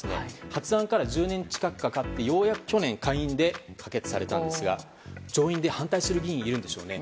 発案から１０年近くかかってようやく去年下院で可決されたんですが上院で反対する議員がいるんでしょうね